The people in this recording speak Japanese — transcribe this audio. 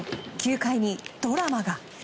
９回にドラマが。